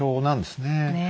ねえ。